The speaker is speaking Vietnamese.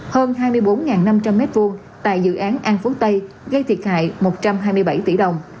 hơn hai mươi bốn năm trăm linh m hai tại dự án an phú tây gây thiệt hại một trăm hai mươi bảy tỷ đồng